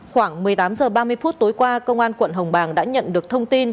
khoảng một mươi tám h ba mươi phút tối qua công an quận hồng bàng đã nhận được thông tin